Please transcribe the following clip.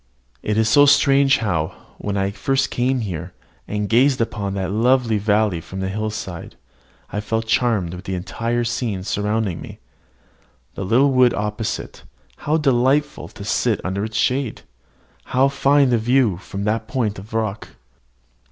It is so strange how, when I came here first, and gazed upon that lovely valley from the hillside, I felt charmed with the entire scene surrounding me. The little wood opposite how delightful to sit under its shade! How fine the view from that point of rock!